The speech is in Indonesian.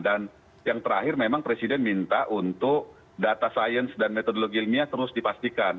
dan yang terakhir memang presiden minta untuk data sains dan metodologi ilmiah terus dipastikan